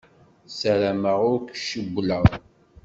Ssarameɣ ur k-cewwleɣ.